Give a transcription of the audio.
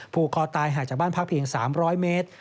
ผูกคอตายห่างจากบ้านพักเพียง๓๐๐เมตร